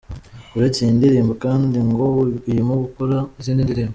Uretse iyi ndirimbo kandi ngo arimo gukora izindi ndirimbo.